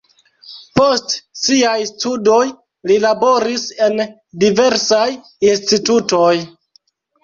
Post siaj studoj li laboris en diversaj institutoj.